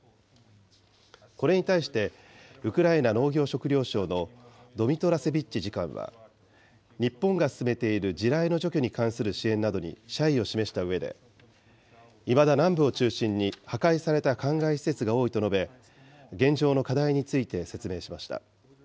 これに対して、ウクライナ農業食料省のドミトラセビッチ次官は、日本が進めている地雷の除去に関する支援などに謝意を示したうえで、いまだ南部を中心に破壊されたかんがい施設が多いと述べ、現状の課題について説明しました。